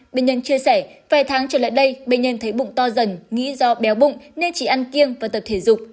bệnh nhân chia sẻ vài tháng trở lại đây bệnh nhân thấy bụng to dần nghĩ do béo bụng nên chỉ ăn kiêng và tập thể dục